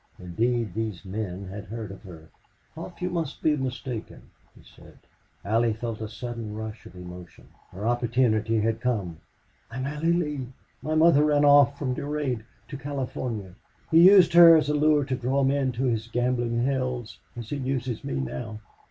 Indeed these men had heard of her. "Hough, you must be mistaken," he said. Allie felt a sudden rush of emotion. Her opportunity had come. "I am Allie Lee. My mother ran off with Durade to California. He used her as a lure to draw men to his gambling hells as he uses me now...